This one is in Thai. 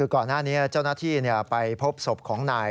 ก่อนหน้านี้เจ้าหน้าที่ไปพบศพของนาย